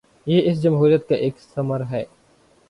یہ اس جمہوریت کا ایک ثمر ہے۔